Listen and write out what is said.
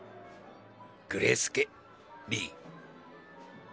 グレスケ・リー。